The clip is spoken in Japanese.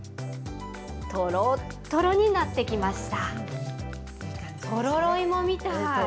とろっとろになってきました。